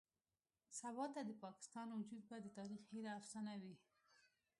سباته د پاکستان وجود به د تاريخ هېره افسانه وي.